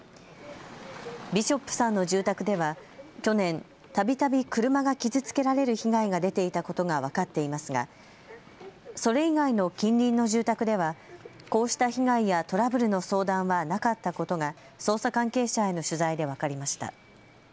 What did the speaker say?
ビショップさんの住宅では去年、たびたび車が傷つけられる被害が出ていたことが分かっていますがそれ以外の近隣の住宅ではこうした被害やトラブルの相談はなかったことが捜査関係者への取材で分かりました。